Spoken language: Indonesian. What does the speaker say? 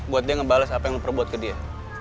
buat dia ngebales apa yang lo perbuat ke dia